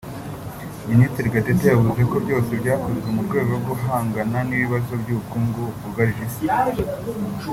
Minisitiri Gatete yavuze ko byose byakozwe mu rwego rwo guhangana n’ibibazo by’ubukungu byugarije isi